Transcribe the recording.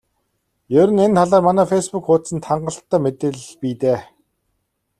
Ер нь энэ талаар манай фейсбүүк хуудсанд хангалттай мэдээлэл бий дээ.